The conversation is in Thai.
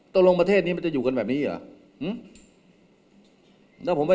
ตรงรวมประเทศนี้มันจะอยู่กันแบบนี้หรอหึแล้วผมไม่